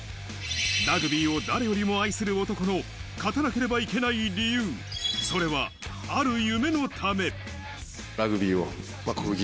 ラグビーを誰よりも愛する男の勝たなければいけない理由、それはある夢のため。